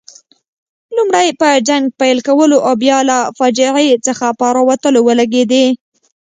لومړی په جنګ پیل کولو او بیا له فاجعې څخه په راوتلو ولګېدې.